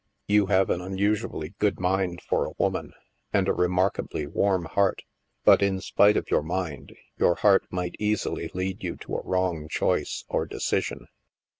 You have an unusually good mind for a woman, and a remarkably warm heart. But in spite of your mind, your heart might easily lead you to a wrong choice or decision.